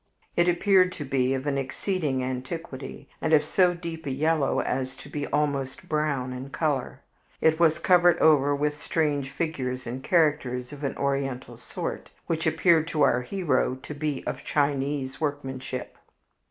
It appeared to be of an exceeding antiquity, and of so deep a yellow as to be almost brown in color. It was covered over with strange figures and characters of an Oriental sort, which appeared to our hero to be of Chinese workmanship.